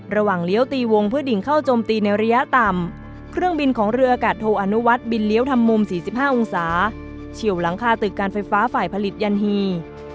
เลี้ยวตีวงเพื่อดิ่งเข้าจมตีในระยะต่ำเครื่องบินของเรืออากาศโทอนุวัฒน์บินเลี้ยวทำมุม๔๕องศาเฉียวหลังคาตึกการไฟฟ้าฝ่ายผลิตยันฮี